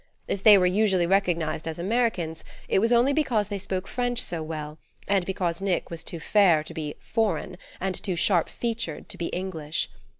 If they were usually recognized as Americans it was only because they spoke French so well, and because Nick was too fair to be "foreign," and too sharp featured to be English.